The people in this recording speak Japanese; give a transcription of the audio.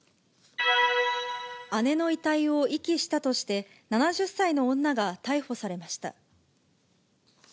姉の遺体を遺棄したとして、７０歳の女が逮捕されました。